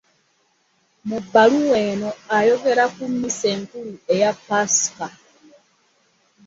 Mu bbaluwa eno ayogera ku "Missa enkulu" eya Paska.